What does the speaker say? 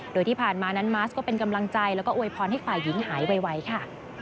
โดยที่ผ่านมานั้นมาสก็เป็นกำลังใจแล้วก็อวยพรให้ฝ่ายหญิงหายไวค่ะ